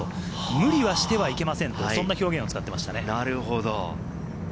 無理はしてはいけません、そんな表現を使っていました。